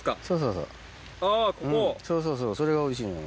そうそうそうそれおいしいねん。